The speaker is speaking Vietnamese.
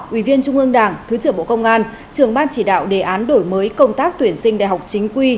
ủy viên trung ương đảng thứ trưởng bộ công an trưởng ban chỉ đạo đề án đổi mới công tác tuyển sinh đại học chính quy